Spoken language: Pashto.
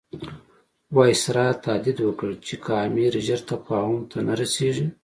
وایسرا تهدید وکړ چې که امیر ژر تفاهم ته نه رسیږي.